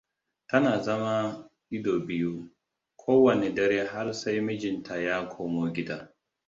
Tana zama ido biyu, kowanne dare har sai mijinta ya komo gida.